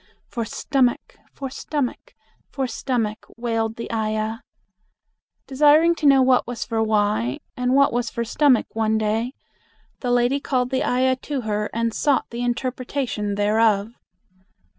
For stomach! For stomach! For stomach!" wailed the ayah. Desiring to know what was for why, and what was for stomach one day, the lady called the ayah to her and sought the interpretation thereof.